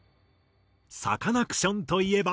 サカナクションといえば。